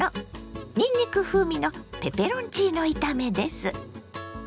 にんにく風味のペペロンチーノ炒めです。